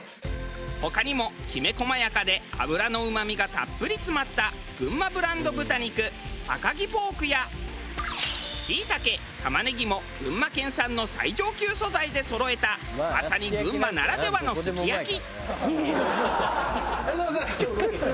他にもきめ細やかで脂のうまみがたっぷり詰まったぐんまブランド豚肉赤城ポークやしいたけ玉ねぎも群馬県産の最上級素材でそろえたまさに群馬ならではのすき焼き。